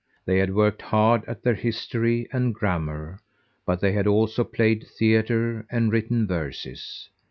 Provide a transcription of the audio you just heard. They had worked hard at their history and grammar, but they had also played theatre and written verses.